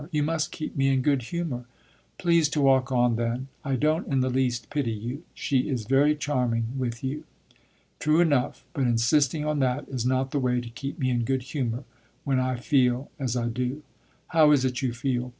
"You must keep me in good humor." "Please to walk on, then. I don't in the least pity you; she is very charming with you." "True enough; but insisting on that is not the way to keep me in good humor when I feel as I do." "How is it you feel?"